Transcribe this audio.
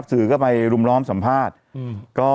สื่อก็ไปรุมล้อมสัมภาษณ์